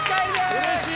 うれしい。